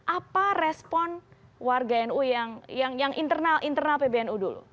apa respon warga nu yang internal pbnu dulu